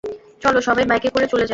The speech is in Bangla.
চলো, সবাই বাইকে করে চলে যাই?